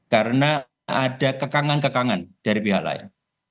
karena ada kekangan kekangan dari pihak lain